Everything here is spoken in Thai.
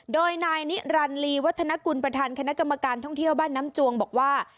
โดยนายนิรันดิวัฒนกุลประธานคณะกรรมการท่องเที่ยวบ้านน้ำจวงบอกว่า